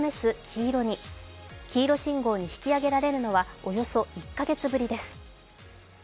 黄色信号に引き上げられるのはおよそ１か月ぶりです。